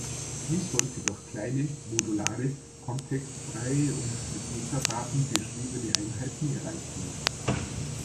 Dies sollte durch kleine, modulare, kontextfreie und mit Metadaten beschriebene Einheiten erreicht werden.